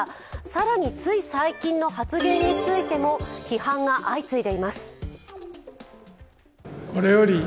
更に、つい最近の発言についても批判が相次いでいます。